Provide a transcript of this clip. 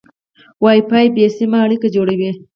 وای فای بې سیمه اړیکه جوړوي.